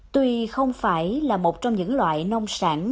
tuy không phải là một trong những loại nông sản